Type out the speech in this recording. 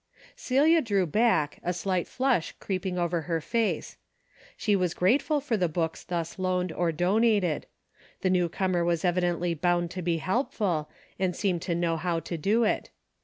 Celia drew back, a slight flush creeping over her face. She was grateful for the books thus 258 DAILY HATE A ^ loaned or donated. The newcomer was evi dently bound to be helpful, and seemed to know how to do it.